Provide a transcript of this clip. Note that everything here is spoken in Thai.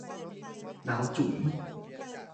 หนาวจู๋ม